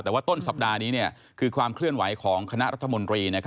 แต่ว่าต้นสัปดาห์นี้คือความเคลื่อนไหวของคณะรัฐมนตรี